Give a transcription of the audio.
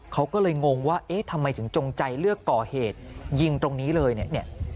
เขาก็เลยงงว่าเอ๊ะทำไมถึงจงใจเลือกก่อเหตุยิงตรงนี้เลยเนี่ย